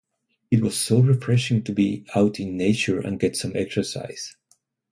It was so refreshing to be out in nature and get some exercise.